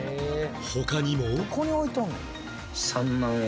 他にも